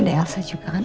ada elsa juga kan